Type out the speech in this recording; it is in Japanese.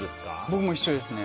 僕も一緒ですね。